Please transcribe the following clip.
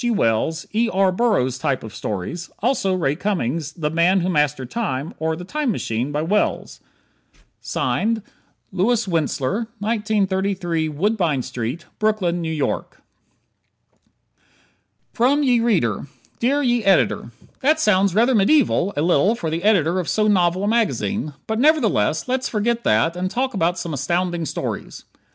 G. Wells, E. R. Burroughs type of stories, also Ray Cummings' "The Man who Mastered Time," or "The Time Machine," by Wells? Louis Wentzler, 1933 Woodbine St., Brooklyn, N. Y. From Ye Reader Dear Ye Ed.: That sounds rather medieval a little for the editor of so novel a magazine, but nevertheless let's forget that and talk about some astounding stories.